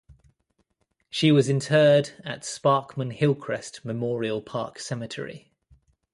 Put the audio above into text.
She was interred at Sparkman-Hillcrest Memorial Park Cemetery.